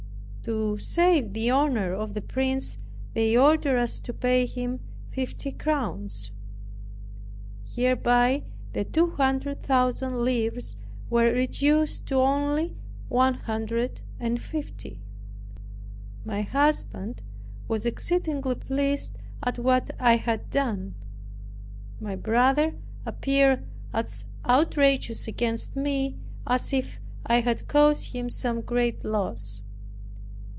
To save the honor of the prince they ordered us to pay him fifty crowns. Hereby the two hundred thousand livres were reduced to only one hundred and fifty. My husband was exceedingly pleased at what I had done. My brother appeared as outrageous against me, as if I had caused him some great loss.